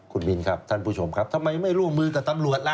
คุณมินครับท่านผู้ชมครับทำไมไม่ร่วมมือกับตำรวจล่ะ